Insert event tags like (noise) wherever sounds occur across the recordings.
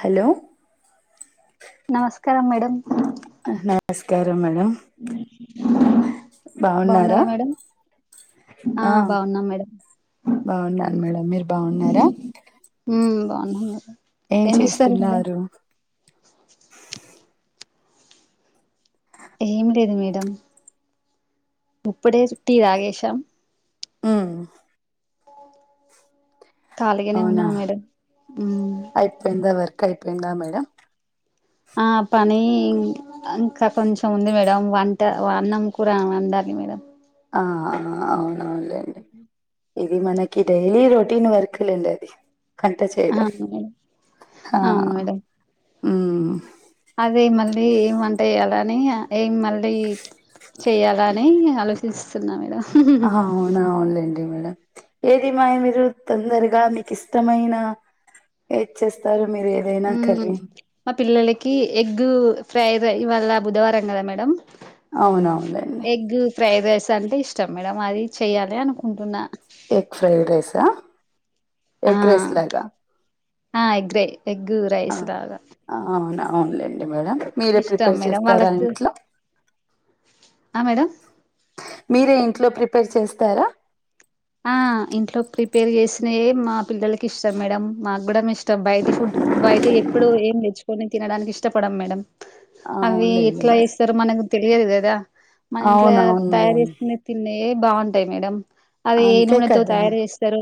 Hello నమస్కారం madam నమస్కారం madam బాగున్నారా మేడం ఆ బాగున్నాం మేడం బాగున్నాను మేడం మీరు బాగున్నారా? ఉమ్ బాగున్నాం మేడం ఏం చేస్తారు మేడం చేస్తున్నారు ఏమ్ లేదు మేడం ఇప్పుడే టీ తాగేశం ఉమ్ ఖాళీగానే అవునా ఉన్నాం మేడం ఉమ్ అయిపోయిందా వర్క్ అయిపోయిందా మేడం ఆ పనీ ఈ ఇంకా కొంచెం ఉంది మేడం వంట వన్నం కూర వండాలి మేడం ఆ ఆ అవునవునులేండి ఇది మనకి డైలీ రొటీన్ వర్క్ లేండి అది వంట చేయడం అవును మేడం హా అవును మేడం ఉమ్ అదే మళ్ళీ ఏం వంట యేయాలని ఏం మళ్ళీ చేయాల అని ఆలోచిస్తున్నా మేడం ఆహా అవును లేండి మేడం ఏది మాయ మీరు తొందరగా మీకు ఇష్టమైన ఏదిచ్చేస్తారు ఉమ్ మా పిల్లలకి ఎగ్ ఫ్రై రై ఇవాళ్ళ బుధవారం కదా మేడం అవునవునులెండి ఫ్రైడ్ రైస్ అంటే ఇష్టం మేడం అది చేయ్యాలి అనుకుంటున్నా ఎగ్ ఫ్రైడ్ రైస్ ఆ ఎగ రైస్ లాగా ఆ ఎగ్రే ఎగ్గు ఆ రైస్ రాగా అవును అవునులేండి మేడం మీరే ప్రిపేర్ మేడం చేస్తారా వాళ్ళకు ఇంట్లో ఆ మేడం మీరే ఇంట్లో ప్రిపేర్ చేస్తారా ఆ ఇంట్లో ప్రిపేర్ చేసిన మా పిల్లలకి ఇష్టం మేడం మాకు కూడామ్ ఇష్టం బయటి ఫుడ్ బయటియి ఎప్పుడు ఏం తెచ్చుకోం కొని తినడానికి ఇష్టపడం మేడం అవి అవునులేండి ఎట్లా మేడం ఏస్తారు మనకు తెలియదు కదా మన ఇంట్ల అవునవును తయారు మేడం చేసుకునే తిండే బాగుంటాయి మేడం అది ఏ అంతే నూనెతో కదా తయారు చేస్తారో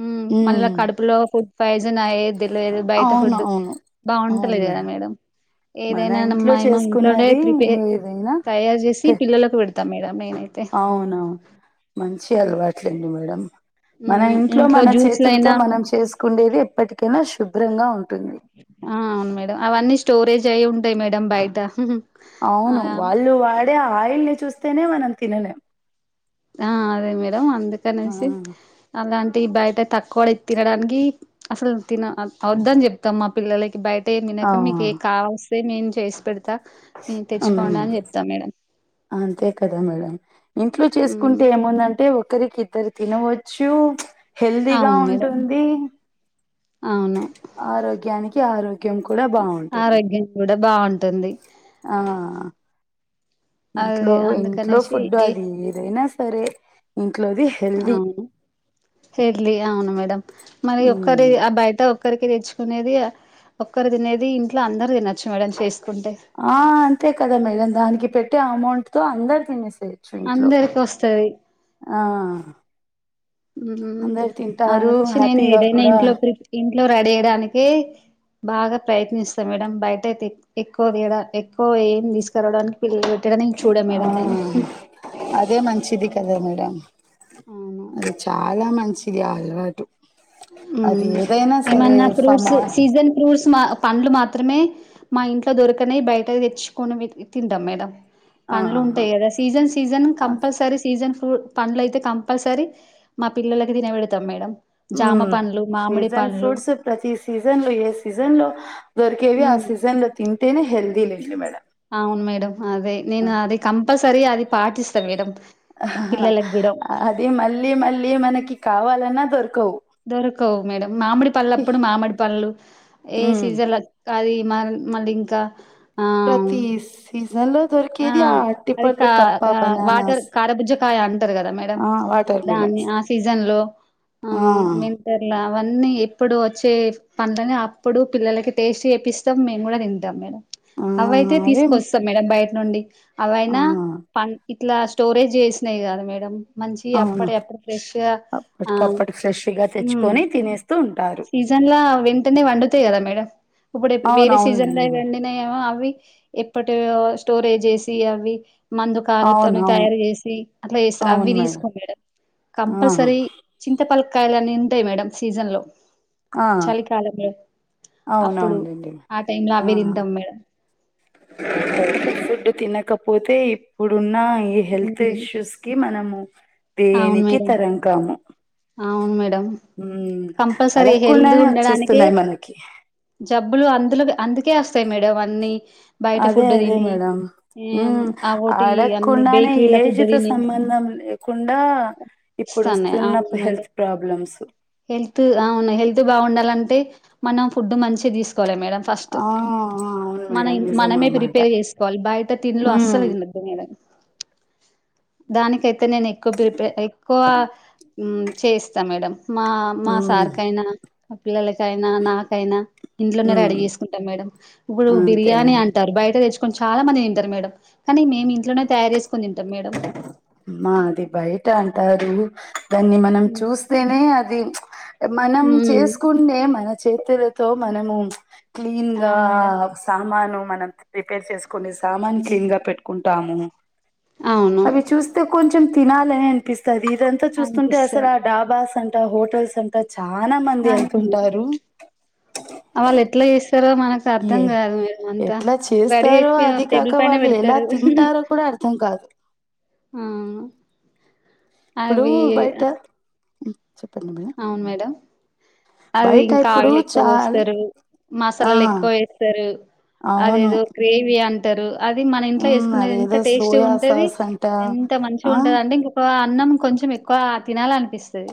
ఉమ్ మళ్ళా కడుపులో ఫుడ్ పాయిజన్ అయ్యేది. తినలేదు బయట అవును ఫుడ్ అవును బాగుంటలేదు కదా మేడం మన ఏదైనా నమ్ ఇంట్లో మా మా ఇంట్లోనే చేసుకున్నది ప్రిపేర్ ఏదైనా తయారు చేసి పిల్లలకు పెడతా మేడం నేనే అవునా మంచి అలవాట్లేండి మేడం మన మ్మ్ ఇంట్లో మన చేతులతో జ్యూస్లయినా మనం చేసుకుండేది ఎప్పటికైనా శుభ్రంగా ఉంటుంది. ఆ అవును మేడం అవన్నీ స్టోరేజ్ అయి ఉంటాయి మేడం బయట అవును అలా వాళ్ళు వాడే ఆ ఆయిల్ని చూస్తేనే మనం తినలేం ఆ అదే మేడం ఆ, అందుకనేసి అలాం టి బయట తక్కువ తినడానికి అసలు తిన వద్దు అని చెప్తాం మా పిల్లలకి బయట ఏం ఆ, తినక మీకి ఏ కావాల్స్తే మేం చేసి పెడుత నేను ఉమ్. తెచ్చుకొండి అని చెప్తా మేడం అంతే కదా మేడం ఇంట్లో హ్మ్ చేసుకుంటే ఏముందంటే ఒకరికి ఇద్దరు తినవచ్చు. హెల్తీగా అవును మేడం ఉంటుంది అవును ఆరోగ్యానికి ఆరోగ్యం కూ డా బాగుంటుంది ఆరోగ్యం కూడా బాగుంటుంది ఆ అది ఇంట్లో ఇంట్లో అందుకనేసి ఫుడ్డు ఏ అది ఏదైనా సరే ఇంట్లోది హెల్ది అవును హెడ్లీ అవును మేడం మరి ఒక్కరి ఆ అబ్బాయితో ఒక్కరికి తెచ్చుకునేది ఒక్కరు తినేది ఇంట్లో అందరు తినొచ్చు మేడం చేస్ ఆ అంతే కదా మేడం దానికి పెట్టే అమౌంట్తో అందరు తినేస్ చేయచ్చు ఇంట్లో అందరికి వస్తది ఆ ఉ అందరు ఆ తింటారు చి నేను హ్యాపీగా ఏదైనా కూడా ఇంట్లో ప్రి ఇంట్లో రెడీ యేయడానికి బాగా ప్రయత్నిస్తా మేడం బయట అయితే ఎక్ ఎక్కువ వేడా ఎక్కువ ఏం తీసుకురావడానికి పిల్లలు పెట్టడం నేను చూడన్ ఆ మేడం నేను అదే మంచిది కదా మేడం అవును అది చాలా మంచిది ఆ అలవాటు ఉ అది ఏదైనా సరే ఏమన్నా ఫ్రూట్స్ సమా సీజన్ ఫ్రూట్స్ మ పండ్లు మాత్ త్రిమే మా ఇంట్లో దొరకనవి బయట తెచ్చుకొని వి తింటాం మేడం. పండ్లు ఉంటాయి కదా ఆ సీజన్ సీజన్ కంపల్సరీ సీజన్ ఉ పండ్లు అయితే కంపల్సరీ మా పిల్లలకి తినబెడతాం మేడం. ఉ జామ పండ్లు మామిడి సీజన్ పండ్లు ఫ్రూట్స్ ప్రతి సీజన్లో ఏ సీజన్లో దొర్ కేవి ఆ ఉమ్ సీజన్లో తింటేనే హెల్థీ లేండి మేడం అవును మేడం అదే నేను అది కంపల్సరీ అది పాటిస్తా మేడం. ఆహాహా పిల్లలకి కూడా అది మళ్ళీ మళ్ళీ మనకి కావాలన్నా దొరుక్ దొరకవు మేడం మామిడి పళ్ళప్పుడు మామిడి పళ్ళు ఏ ఉమ్ సీజన్లో ఆది మల్ మళ్ళీ ఇంకా ఆ ప్రతి సీజన్ లో ఆ దొరికేది అది కా అరటిపండ్లు తప్ప ఆ వాటర్ బనానాస్ కారబుజ్జు కాయ అంటారు కదా మేడం ఆ వాటర్ దాన్ని మిలన్స్ ఆ సీజన్లో ఆ వింటర్లా అవన్నీ ఎప్పుడు వచ్చే పనులనే అప్పుడు పిల్లలకి టేస్టీ చేపిస్తాం, మేము కూడా తింటాం మేడం. ఆ అవైతే అవే తీసుకొస్తాం మేడం బయట నుండి ఆ అవైనా పన్ ఇట్లా స్టోరేజ్ చేసినవి కాదు మేడం మంచి అవును అప్పుడే అప్పుడు ఫ్రెష్గా ఆ అప్పటికప్పటికి ఫ్రెష్గా ఉమ్ తెచ్చుకొని తినేస్తూ ఉంటారు సీజ అండ్ల వెంటనే వండుతాయి కదా మేడం ఇప్పుడు వేరే అవునవునండి సీజన్లో మేడం వండినయేమో అవి ఇప్పటిగా స్టోరేజ్ చేసి అవి మందు అవును కాలుతోని అవును తయారు చేసి అట్లా చేేస్తారు అవి తీసుకోము మేడం. ఆహా కంపల్సరీ చింతపలకాయలు అని ఉంటాయి మేడం సీజన్లో. ఆ చలికాలంలో అప్పుడు అవునవునండి ఆ టైమ్లో అవే ఆహా తింత్తం మేడం. (inaudible) ఫుడ్ తినకపోతే ఇప్పుడున్న ఈ హెల్త్ హ్మ్. ఇష్యూస్కి మనము. అవును దేనికి మేడం తరం కాము అవును మేడం మ్మ్ కంపల్సరీ హెల్ది అడగకుండానే ఉండడానికి వచ్చేస్తున్నాయి మనకి జబ్బులు అందులో అందుకే వస్తాయి మేడం అన్నీ అదే అదే మేడమ్ ఉ ఏం అవోటి అన్ని అడకుండానే బేకరీల ఫుడ్ ఏజితో తిని సంబంధం లేకున్ కుండా ఇప్పుడు వస్తాన్నాయి వస్తున్న అవును మేడం హెల్త్ ప్రాబ్లమ్సు హెల్త్ అవును హెల్త్ బాగుండాలంటే మనం ఫుడ్ మంచిగా తీసు కొలె మేడం ఫస్ట్ ఆ అవును మనవి మేడం నిజం ఆ మనమే మాట ప్రిపేర్ చేసుకోవాలి బయట తిన్లు మ్మ్ అస్సలు తినక్ ఓకే మేడం దానికైతే నేను ఎక్కువ ప్రిపే ఎక్కువ ఉ చేస్తా మేడం. మా మా మ్మ్ సార్ కైనా మా పిల్లల కైనా నాకైనా ఇంట్లోనే రెడీ మ్మ్ చేసుకుంటాం మేడం, ఇప్పుడు అంతే బిర్యానీ అం అంటారు బయట తెచ్ చాలా మంది తింటారు మేడం కానీ మేము ఇంట్లోనే తయారు చేస్ మాది బయట అంటారు దాన్ని మనం ఉమ్ చూస్తేనే అది మ్చ్ మనం ఉమ్. చేసుకునే మనద్ చేతులతో మనము మ్చ్ క్లీన్ గా అవును మేడం ఆ సామాను మనం ప్రిపేర్ చేసుకునే సామాన్ క్లీన్ గా పెట్టుకుంటాము అవును అవి చూస్తే కొంచెం తినాలని అనిపిస్తుంది ఇదంతా చూస్తుంటే అసలు అనిపిస్తది ఆ డాబాస్ అంట ట హోటల్స్ అంట చాలా మంది (unintelligible) వెళ్తుంటారు ఆ వాళ్లు ఎట్లా జేస్తారో మనక్ అసలర్ధం ఏ గాదు మేరు అంతా ఎట్లా రెడీ చేస్తారో చేసి అది టేబుల్ కాక పైనే వాళ్ళు ఎలా పెడతారు తింటారో కూడా అర్థం కాదు అవును ఇప్పుడూ బయట చెప్పండి మేడం అవును మేడం అవి బయట ఇంకా ఇప్పుడు ఆయిల్ ఎక్కువ చాల్ వోస్తారు ఆ మసాలాలు ఎక్కువ ఎత్తారు అవును అదేదో గ్రేవి అంట్ అది మన ఇంట్లో హ్మ్ చేసుకునేది ఎంత అదేదో టేస్టీ సోయా గుంటది సాస్ అంట ఎంత మంచిగా ఆ ఉంటది అంటే ఇంకొక ఆ అన్నం కొంచెం ఎక్కువ గా తినాలనిపిస్తది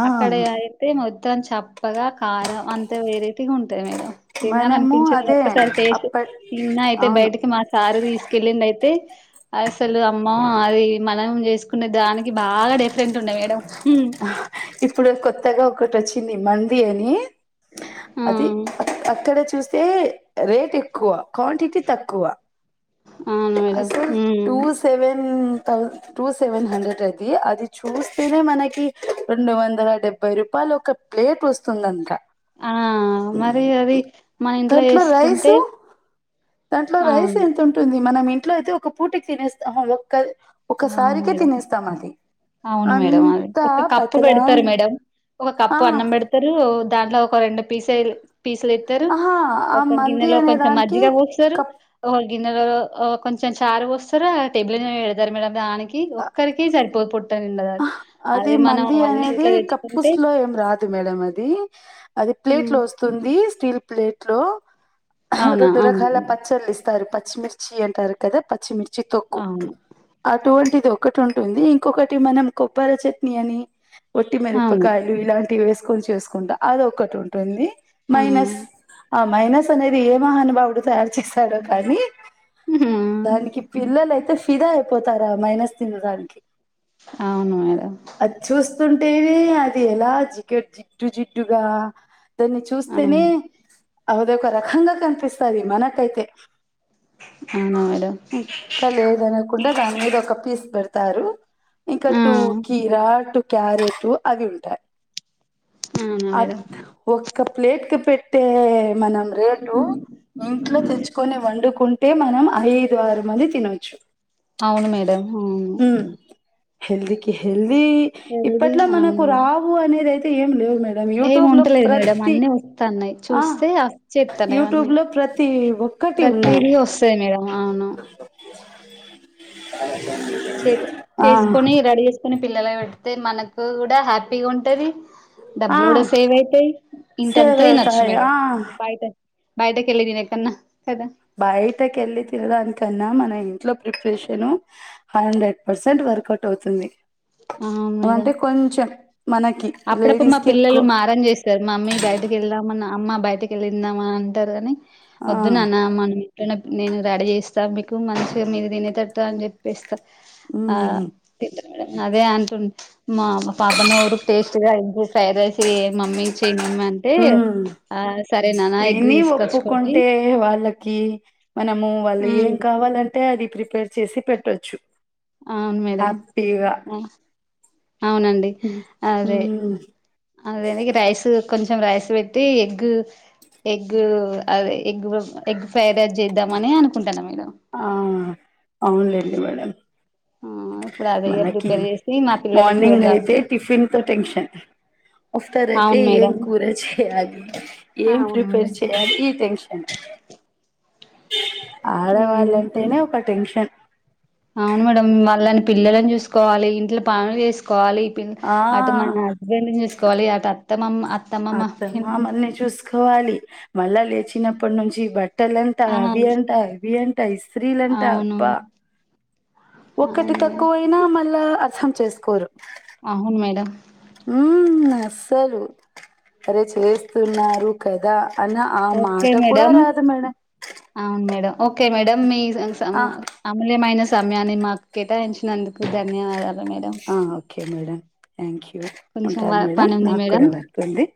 ఆ అక్కడి అయితే మొత్తం చప్పగా కారం అంతే వెరైటీగా ఉంటాయి మేడం తినాలన్పి మనము పించెదు అదే ఒక్కసారి టెస్ట్ అప్పట్ తిన్నా అయితే అవును బయటికి మా సారి తీసుకెళ్ళిండేయితే అసలు అమ్మో అది మనం జేసుక్ కునే దానికి బాగా డిఫరెంట్ ఉండే మేడం ఉమ్ ఇప్పుడు కొత్తగా ఒకటి వచ్చింది మంది అని అది అక్కడ చూస్తే స్తే రేట్ ఎక్కువ క్వాంటిటీ తక్కువ ఆ అవును మేడం అసల్ టూ హ్మ్ సెవెన్ థౌ టూ సెవెన్ హండ్రెడ్ అది అది చూస్తేనే మనకి రెండు వందల డెబ్బై రూపాయ యాలు ఒక ప్లేట్ వస్తుందంట అన్నా మరీ అది మన ఇంట్ల దాంట్లో జేసుకుంటే రైసు దాంట్లో రైస్ ఎంత ఉంటుంది మనం ఇంట్లో అయితే ఒక పూటక్ తినేస్తాం ఆహా ఒకల్ అవును ఒకసారికే మేడం తినేస్తాం అది అవును మేడం అది అంతా ఒక కప్పు పెడతారు పతలాగ్ మేడం ఒక కప్పు అన్నం పెడతారు దాంట్ల ఒక రెండు పీసాయిల్ పీసులేత్తారు ఆహా ఆ ఒక మంది గిన్నెలో అనే కొంచెం దానికి మజ్జిగా పోస్తారు కప్ ఒ గిన్నెలో కొంచెం చారు పోస్తారు టేబుల మీద పెడతారు మేడమ్ దానికి కి ఒక్కరికి సరిపోదు పొట్ట నీ ఆహ్ అది మంది అనేది తెచ్చుకుంటే కప్పుస్లో ఏం రాదు మేడమ్ అది అది ప్లేట్ లో హ్మ్. వస్తుంది స్టీల్ ప్లేట్ లో ఆహ్ అవునా రెండు అవును రకాల పచ్చళ్ళు ఇస్త తార్ పచ్చిమిర్చి అంటారు కదా పచ్చిమిర్చి తొక్కు అవును అటువంటిది ఒక్ ఒకటి ఉంటుంది ఇంకొకటి మనం కొబ్బర చట్నీ అని ఒట్టి అవును మిరపకాయలు ఇలాంటి వేసుకు కొనిచేసుకుంటా అది ఒకటి ఉంటుంది ఆ మైనస్ ఆ మైనస్ అనేది ఏ మహానుభావుడు తయారు చేస్తాడో కానీ హ్మ్. దానికి పిల్లలయితే ఫిదా అయిపోతారా మైనస్ తినడానికి అవును మేడమ్ చుస్తుంటివి అది ఎలా జిగేడ్ జిడ్డు జిడ్డుగా దాన్ని చూస్తేనే అవును అదొక రకంగా కనిపిస్తంది మనకైతే అవునా మేడం ముక్క లేదనకుండా దాని మీద ఒక పీస్ పెడతారు ఇంకా టూ అవునా కీరా టూ క్యారెటు అవి ఉంటాయి అద్ మేడం ఒక్క ప్లేట్ కి పెట్టే మనం రేటు ఇంట్లో తెచ్చుకొని వండుకుం టే మనం ఐదు ఆరు మంది తినొచ్చు అవును మేడం అవును ఉమ్ హెల్దీకి హెల్దీ హెల్దీ ఇప్పట్లో అవును మనకు మేడం రావు అనేది అయితే ఏం లేవు మే ఏం ఉంటలేదు మేడం అన్ని వస్తన్నాయి ఆ చూస్తే వచ్చేత్తన్నాయి యూట్యూబ్ అన్నీ లో ప్రతి ఒక్కటి ఉన్నాయి ప్రతిదీ వస్తది మేడం అవును చాయన్న తాగి చే చేసుకొని రెడీ చేసుకొని పిల్లలకు పెడితే మనకు కూడా హ్యాపీగా ఉంటది ఆ డబ్బులు కూడా సేవ్ అవుతయి ఇంటంత సేవ్ తినచ్చు అవుతాయి మేడం ఆ బయటది బయటకు ఎల్లి తినే కన్నా కదా బయటకెల్లి తినాదని కన్నా మన ఇంట్లో preparation five hundred percent workout అవుతుంది. అవును మేడం ఏమంటే కొంచెం మనకి అప్పుడప్పుడు మా లేడీస్ కి పిల్లలు ఎక్కువ మారం చేస్తారు మమ్మీ బయటకు వెళ్దాము అమ్మ బయటకి వెళ్ళి తిందామా అంటారు గాని ఆ వద్దునాన్న మనం ప్రనప్ నేను రెడీ చేస్తా మీకు మంచిగా మీరు తినేటట్టు అని చెప్పేస్ త ఆ ఉమ్ అదే తింటారు మేడం మా పాప నోరు టేస్ట్గా అంచి ఫ్రైడ్ రైస్ ఏయ్ మమ్మీ చేయి మమ్మీ అంటే ఉమ్ ఆ సరేనాన ఎగ్గు తీసుకొచ్చుకోండి ఈ మనము వాళ్ళు హ్మ్ ఏం కావాలంటే అది ప్రిపేర్ చేసి పెట్టచ్చు అవును మేడం ఆ అవునండి ఉమ్ అదే ఉమ్, అదే ఇగ రైస్ కొంచెం రైస్ వేట్టి ఎగ్ ఎగ్ అదే ఎగ్ ఎగ్ ఫ్రైడ్ రైస్ చేద్దామని అనుకుంటాన్న మేడం ఆ అవునులేండి మేడం ఆ ఇప్పుడు అదే మనకి ప్రిపేర్ చేసి మా పిల్లలకి మార్నింగ్ అయితే పెడదామని టిఫిన్ తో టెన్షన్ ఆఫ్టర్ అయితే అవును ఏం మేడం కూర చేయాలి ఏం అవును ప్రిపేర్ మేడం చేయాలి ఈ టెన్షన్ ఉమ్ ఆడవాళ్ళంటేనే ఒక టెన్షన్ అవును మేడంమ్ వాళ్ళని పిల్లలని చూసుకోవాలి ఇంట్లో పనులు ఏసు కోవాలి పి ఆ అటు మన హస్బెండ్ ను చూసుకోవాలి అటు అత్త మామ అత్త మామల్ని చూసుకోవాలి మళ్ళా లేచినప్పటి నుంచి బట్ టలంతా ఆ అవియంట ఇవియన్ టైస్త్రీలు అంట అవును అబ్బా ఒక్కటి అవును మేడం తక్కువైనా మళ్ళా అర్థం చేసుకోరు ఆహును మేడం ఉమ్ అస్సలు అరే చేస్తున్నారు కదా అన్న ఆ ఓకే మాట కూడా మేడం రాదు మేడం అవును మేడం ఓకే మేడం మీ సము ఆ అమూల్యమైన సమయాన్ని మాకు కేటాయించినందుకు ధన్యవాదాలు మేడం ఆ ఓకే మేడం థ్యాంక్ యూ ఆ కొంచెం ఉంటాను మేడం పని ఉంది నాకు కూడా మేడం వర్క్ ఉంది